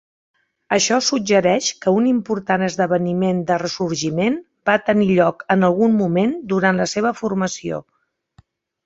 Això suggereix que un important esdeveniment de ressorgiment va tenir lloc en algun moment durant la seva formació.